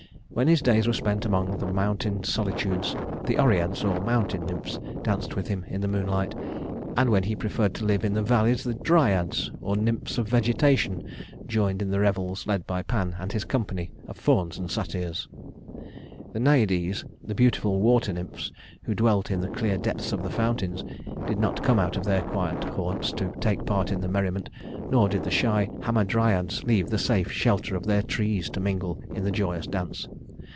When his days were spent among the mountain solitudes, the Oreads, or mountain nymphs, danced with him in the moonlight; and when he preferred to live in the valleys, the Dryads, or nymphs of vegetation, joined in the revels led by Pan and his company of fauns and satyrs. The Naides, the beautiful water nymphs who dwelt in the clear depths of the fountains, did not come out of their quiet haunts to take part in the merriment; nor did the shy Hamadryads leave the safe shelter of their trees to mingle in the joyous dance.